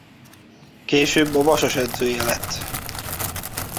Később a Vasas edzője lett.